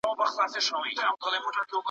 شپږ لسیان؛ شپېته کېږي.